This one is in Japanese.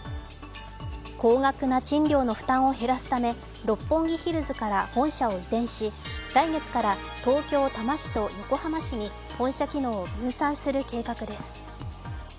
高額な賃料の負担を減らすため六本木ヒルズから本社を移転し、来月から東京・多摩市と横浜市に本社機能を分散する計画です。